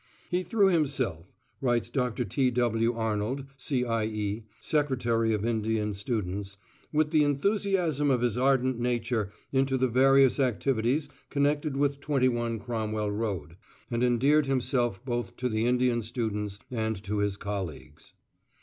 "He threw himself," writes Dr. T. W. Arnold, C.I.E., Secretary of Indian Students, "with the enthusiasm of his ardent nature into the various activities connected with 21 Cromwell Road, and endeared himself both to the Indian students and to his colleagues."